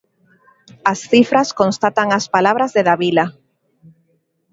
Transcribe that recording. As cifras constatan as palabras de Davila.